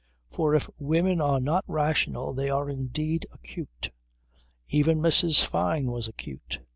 For if women are not rational they are indeed acute. Even Mrs. Fyne was acute.